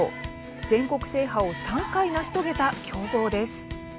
全国制覇を３回成し遂げた強豪です。